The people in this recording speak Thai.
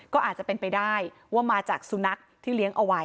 ก็อาจจะเป็นไปได้ว่ามาจากสุนัขที่เลี้ยงเอาไว้